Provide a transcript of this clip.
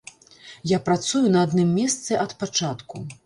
Я працую на адным месцы ад пачатку.